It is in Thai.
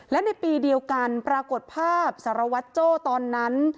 และในปีเดียวกันปรากฏภาพสารวัตรโจ้ตอนนั้น